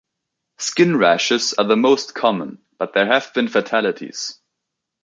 Skin rashes are the most common, but there have been fatalities.